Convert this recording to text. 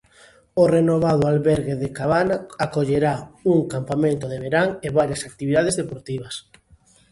O renovado albergue de Cabana acollerá un campamento de verán e varias actividades deportivas.